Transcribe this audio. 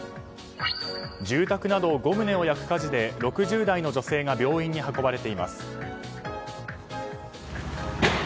住宅など５棟を焼く火事で６０代の女性が病院に運ばれています。